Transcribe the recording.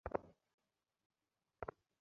তিনি বঙ্গীয় ব্যবস্থাপক সভার সভ্য ছিলেন ।